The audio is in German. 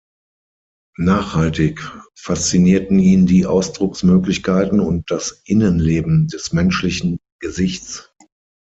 Nachhaltig faszinierten ihn die Ausdrucksmöglichkeiten und das Innenleben des menschlichen Gesichts.